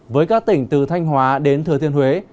với các tỉnh từ thanh hóa đến thừa thiên huế